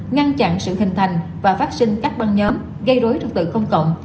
ngăn chặn sự hình thành và phát sinh các băng nhóm gây rối trật tự công cộng